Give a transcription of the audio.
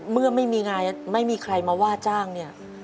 เมื่อไม่มีงานไม่มีใครมาว่าจ้างเนี่ย